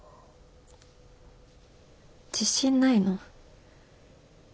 自信ないの。